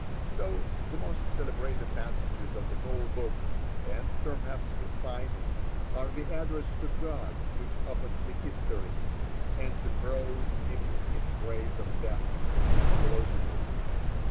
So the most celebrated passages of the whole book, and perhaps the finest, are the address to God which opens the History, and the prose hymn in praise of death which closes it.